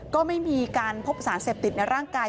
ก็ไม่มีการพบสารเสพติดในร่างกาย